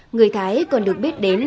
người thái còn được biết đến